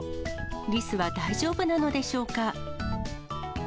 リスは大丈夫なのでしょうか。